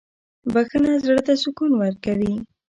• بخښنه زړه ته سکون ورکوي.